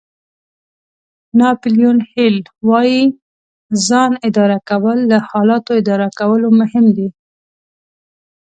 ناپیلیون هېل وایي ځان اداره کول له حالاتو اداره کولو مهم دي.